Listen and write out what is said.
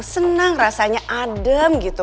seneng rasanya adem gitu